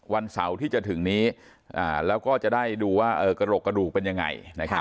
วันเสาร์ที่จะถึงนี้แล้วก็จะได้ดูว่ากระโหลกกระดูกเป็นยังไง